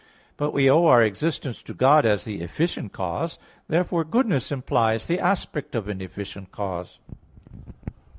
But we owe our existence to God as the efficient cause. Therefore goodness implies the aspect of an efficient cause.